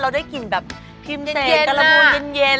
เราได้กลิ่นแบบพิมเซกระโลยเย็น